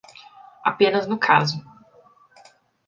Apenas no caso.